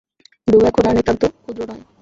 ধ্রুব এখন আর নিতান্ত ক্ষুদ্র নহে।